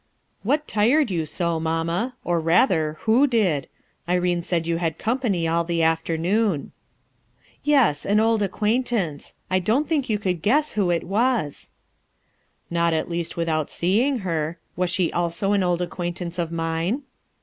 "What tired you so, mamma? Or rather, who did? Irene said you had company all the afternoon," "Yes, an old acquaintance, I don't think you could guess who it was/* "Not at least without seeing her. Was she also an old acquaintance of mine?"